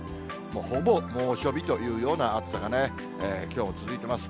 ほぼ猛暑日というような暑さがきょうも続いてます。